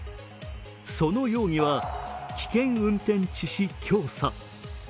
その容疑は、危険運転致死教唆。